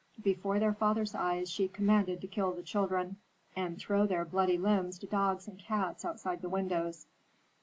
Before their father's eyes she commanded to kill the children, and throw their bloody limbs to dogs and cats outside the windows.